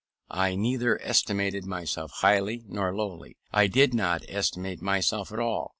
I neither estimated myself highly nor lowly: I did not estimate myself at all.